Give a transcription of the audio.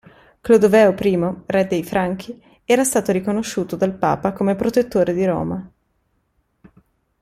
Clodoveo I, re dei Franchi, era stato riconosciuto dal papa come protettore di Roma.